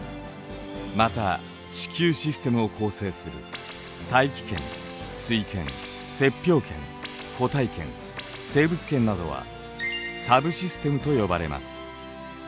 また地球システムを構成する大気圏水圏雪氷圏固体圏生物圏などはサブシステムと呼ばれます。